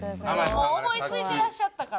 もう思いついてらっしゃったから。